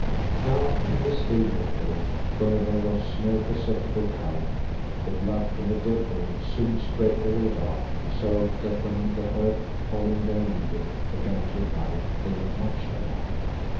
Now, in this still water where there was no perceptible current, the blood from the dead bull soon spread all about so that when the herd, following their leader, began to arrive they were much alarmed.